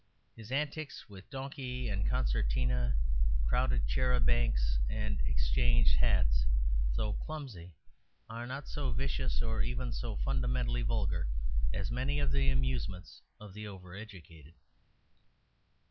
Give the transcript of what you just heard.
His antics with donkeys and concertinas, crowded charabancs, and exchanged hats, though clumsy, are not so vicious or even so fundamentally vulgar as many of the amusements of the overeducated.